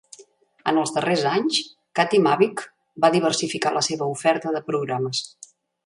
En els darrers anys, Katimavik va diversificar la seva oferta de programes.